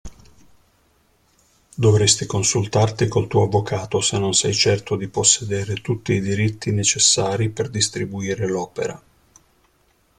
Dovresti consultarti col tuo avvocato se non sei certo di possedere tutti i diritti necessari per distribuire l'opera.